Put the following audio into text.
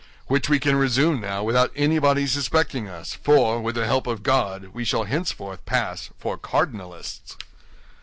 "Which we can resume now without anybody suspecting us, for, with the help of God, we shall henceforth pass for cardinalists."